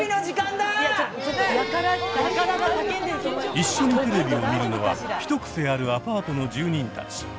一緒にテレビを見るのはヒトクセあるアパートの住人たち。